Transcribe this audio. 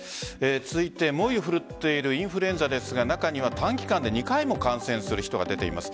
続いて、猛威を振るっているインフルエンザですが中には短期間で２回も感染する人が出ています。